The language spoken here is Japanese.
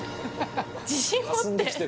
自信持って！